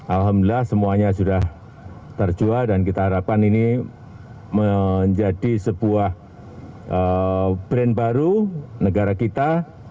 alhamdulillah semuanya sudah terjual dan kita harapkan ini menjadi sebuah brand baru negara kita